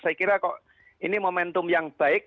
saya kira kok ini momentum yang baik